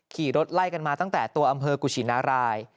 ขี่รถไล่กันมาตั้งแต่ตัวอำเภอกุชินาราย